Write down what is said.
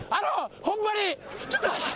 ホンマにちょっと待って。